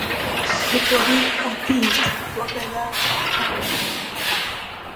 شكري عتيد وكذاك حقدي